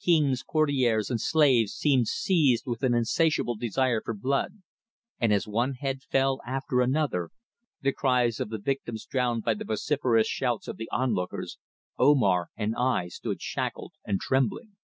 King, courtiers and slaves seemed seized with an insatiable desire for blood, and as one head fell after another, the cries of the victims drowned by the vociferous shouts of the onlookers, Omar and I stood shackled and trembling.